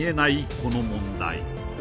この問題